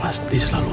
aku tidak bisa lupa